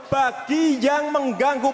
bagi yang mengganggu